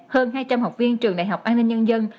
hơn hai trăm linh học viên trường đại học an ninh nhân dân